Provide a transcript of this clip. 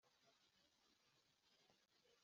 Kugeza aho kiribuze kurara